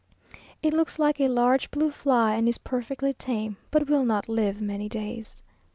It looks like a large blue fly, and is perfectly tame, but will not live many days.